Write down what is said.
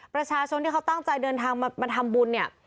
ประชาชนที่เขาตั้งใจเดินทางมาทำบุญเนี่ย